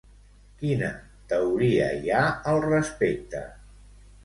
Quina teoria hi ha al respecte?